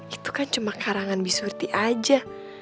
itu kan cuma karangan bi surti aja